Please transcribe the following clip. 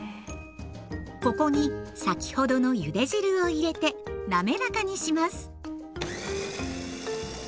ここに先ほどのゆで汁を入れて滑らかにします。